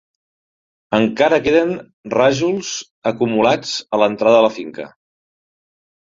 Encara queden rajols acumulats a l'entrada de la finca.